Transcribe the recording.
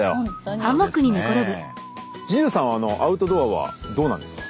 ＪＵＪＵさんはあのアウトドアはどうなんですか？